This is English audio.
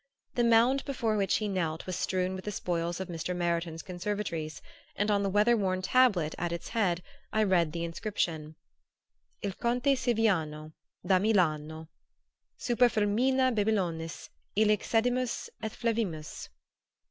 The mound before which he knelt was strewn with the spoils of Mr. Meriton's conservatories, and on the weather worn tablet at its head I read the inscription: IL CONTE SIVIANO DA MILANO. _Super flumina Babylonis, illic sedimus et flevimus.